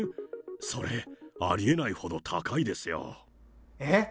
それ、ありえないほど高いですよ。